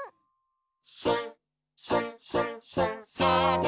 「しんしんしんしんせいぶつ」